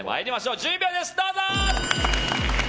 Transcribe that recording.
１０秒です。